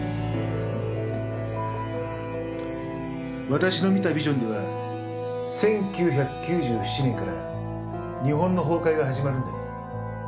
私の見たビジョンでは１９９７年から日本の崩壊が始まるんだよ。